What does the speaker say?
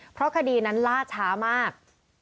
เพราะคดีนั้นล่าช้ามาก